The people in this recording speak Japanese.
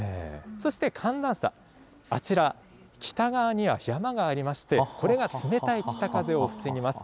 そして、寒暖差、あちら、北側には山がありまして、これが冷たい北風を防ぎます。